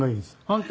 本当？